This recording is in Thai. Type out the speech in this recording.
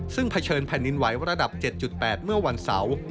ซึ่งเผชิญแผ่นดินไหวระดับ๗๘เมื่อวันเสาร์